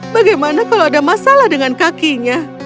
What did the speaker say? bagaimana kalau ada masalah dengan kakinya